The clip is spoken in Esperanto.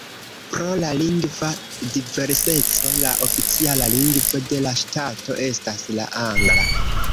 Pro la lingva diverseco la oficiala lingvo de la ŝtato estas la angla.